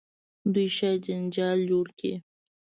دوی شاید جنجال جوړ کړي.